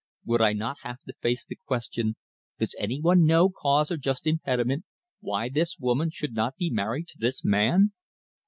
Would I not have to face the question, Does any one know cause or just impediment why this woman should not be married to this man?